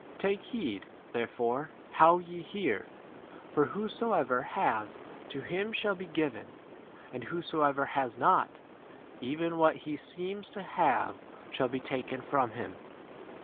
Take heed therefore how ye hear; for whosoever has, to him shall be given, and whosoever has not, even what he seems to have shall be taken from him.